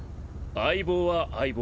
相棒は相棒。